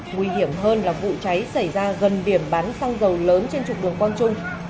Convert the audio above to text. nguy hiểm hơn là vụ cháy xảy ra gần điểm bán xăng dầu lớn trên trục đường quang trung